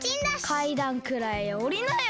かいだんくらいおりなよ。